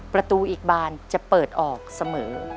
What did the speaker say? ประตูอีกบานจะเปิดออกเสมอ